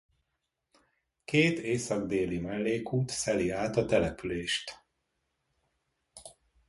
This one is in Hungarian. Két észak-déli mellékút szeli át a települést.